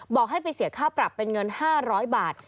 บอกให้ไปเสียค่าปรับเป็นเงิน๕๐๐บาท